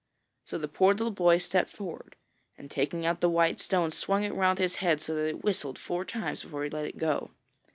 So the poor little boy stepped forward, and taking out the white stone swung it round his head so that it whistled four times before he let it go.